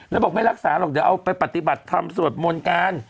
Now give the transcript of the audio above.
แล้วบอกไม่รักษาหรอกเดี๋ยวเอาไปปฏิบัติธรรมสวดมนต์กัน